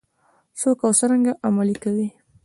څوک او څرنګه عملي کوي؟